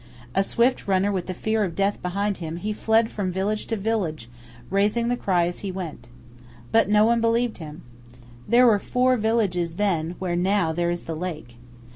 A swift runner with the fear of death behind him, he fled from village to village, raising the cry as he went. But no one believed him. There were four villages then where now there is the lake.